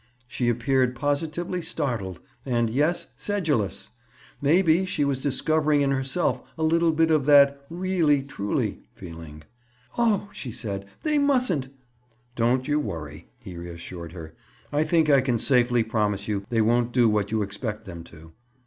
She appeared positively startled, and—yes, sedulous! Maybe, she was discovering in herself a little bit of that "really, truly" feeling. "Oh!" she said. "They mustn't—" "Don't you worry," he reassured her. "I think I can safely promise you they won't do what you expect them to."